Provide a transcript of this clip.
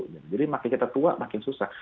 jadi makin kita tua makin susah